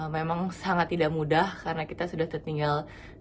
memang sangat tidak mudah karena kita sudah tertinggal satu enam satu lima